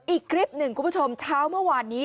อีกคลิปหนึ่งคุณผู้ชมเช้าเมื่อวานนี้